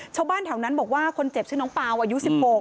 ชาวบ้านแถวนั้นบอกว่าคนเจ็บชื่อน้องเปล่าอายุ๑๖